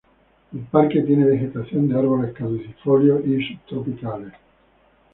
El parque tiene vegetación de árboles caducifolios y subtropicales.